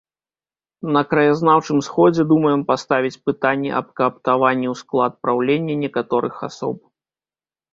На краязнаўчым сходзе думаем паставіць пытанне аб кааптаванні ў склад праўлення некаторых асоб.